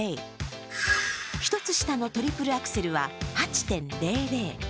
１つ下のトリプルアクセルは８．００。